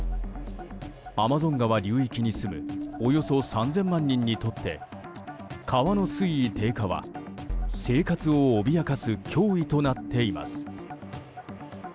アマゾン川流域に住むおよそ３０００万人にとって川の水位低下は、生活を脅かす脅威となっています。